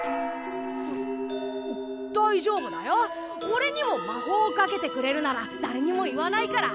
おれにも魔法をかけてくれるならだれにも言わないから。